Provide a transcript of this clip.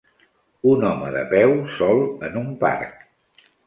Un home de peu sol en un parc.